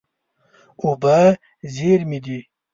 اوبه زېرمې دي.